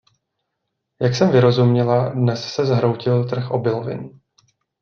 Jak jsem vyrozuměla, dnes se zhroutil trh obilovin.